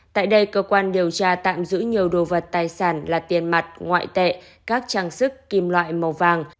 tại đây cơ quan điều tra tạm giữ nhiều đồ vật tài sản là tiền mặt ngoại tệ các trang sức kim loại màu vàng